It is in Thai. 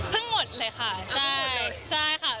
พึ่งหมดเลยค่ะใช่ค่ะ